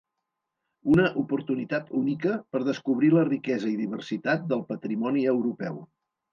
Una oportunitat única per descobrir la riquesa i diversitat del patrimoni europeu.